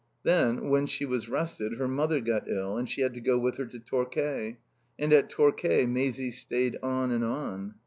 Then when she was rested her mother got ill and she had to go with her to Torquay. And at Torquay Maisie stayed on and on.